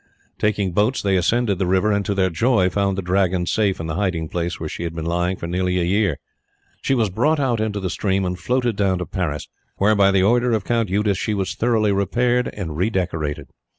Taking boats they ascended the river, and to their joy found the Dragon safe in the hiding place where she had been lying for nearly a year. She was brought out into the stream and floated down to Paris, where by the order of Count Eudes she was thoroughly repaired and redecorated.